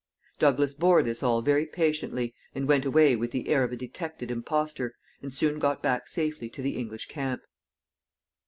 Douglas bore this all very patiently, and went away with the air of a detected impostor, and soon got back safely to the English camp.